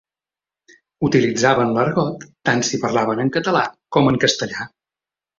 Utilitzaven l'argot tant si parlaven en català com en castellà.